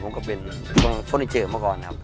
ผมกะเป็นเค้าด่งเจอมาก่อนครับ